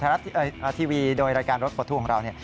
ทาราศทีวีโดยรายการรถปลดทู่ของเรา